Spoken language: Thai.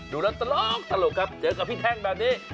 ดูแล้วตลกครับเจอกับพี่แท่งแบบนี้